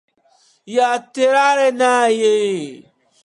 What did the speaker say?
やってられない